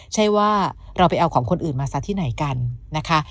ใช่ว่าเราไปเอาของคนอื่นมาซะที่ไหนกันนะคะ